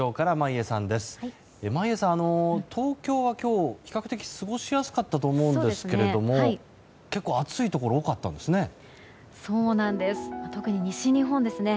眞家さん、東京は今日比較的過ごしやすかったと思うんですけれども結構、暑いところが多かったんですね。